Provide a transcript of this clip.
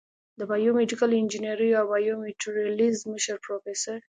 د بایو میډیکل انجینرۍ او بایومیټریلز مشر پروفیسر